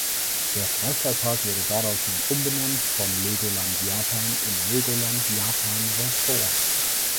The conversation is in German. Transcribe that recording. Der Freizeitpark wurde daraufhin umbenannt von "Legoland Japan" in "Legoland Japan Resort".